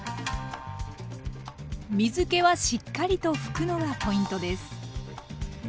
水けはしっかりと拭くのがポイントです。